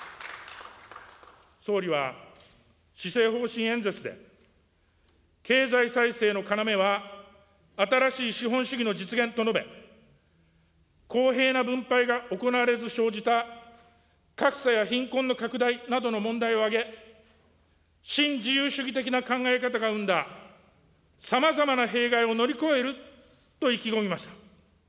総理は、施政方針演説で、経済再生の要は、新しい資本主義の実現と述べ、公平な分配が行われず生じた格差や貧困の拡大などの問題を挙げ、新自由主義的な考え方が生んださまざまな弊害を乗り越えると意気込みました。